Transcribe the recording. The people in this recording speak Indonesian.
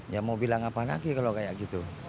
ya mau bilang apa lagi kalau kayak gitu